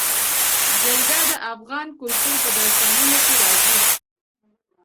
جلګه د افغان کلتور په داستانونو کې راځي.